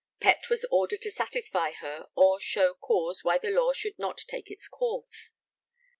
Pett was ordered to satisfy her or show cause why the law should not take its course.